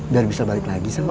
dari sebalik lagi sama